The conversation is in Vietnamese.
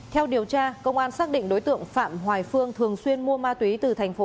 theo điều tra công an xác định đối tượng phạm hoài phương thường xuyên mua ma túy từ thành phố